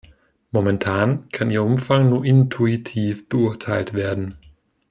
Momentan kann ihr Umfang nur intuitiv beurteilt werden.